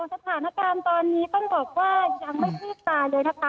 สถานการณ์ตอนนี้ต้องบอกว่ายังไม่คืบตาเลยนะคะ